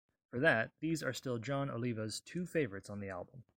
For that, these are still Jon Oliva's two favorites on the album.